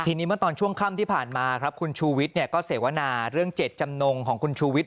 ทีนี้เมื่อตอนช่วงค่ำที่ผ่านมาครับคุณชูวิทย์ก็เสวนาเรื่องเจ็ดจำนงของคุณชูวิทย